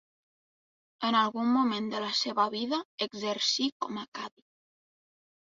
En algun moment de la seva vida, exercí com a cadi.